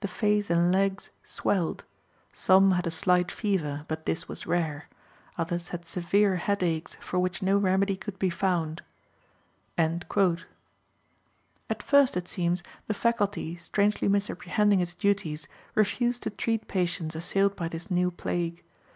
The face and legs swelled. Some had a slight fever, but this was rare; others had severe headaches for which no remedy could be found." At first, it seems, the faculty, strangely misapprehending its duties, refused to treat patients assailed by this new plague.